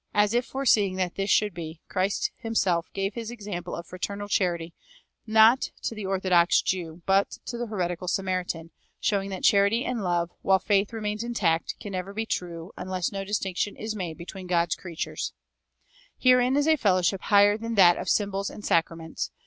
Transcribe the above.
As if foreseeing that this should be, Christ himself gave his example of fraternal charity, not to the orthodox Jew, but to the heretical Samaritan, showing that charity and love, while faith remains intact, can never be true unless no distinction is made between God's creatures."[325:1] Herein is fellowship higher than that of symbols and sacraments.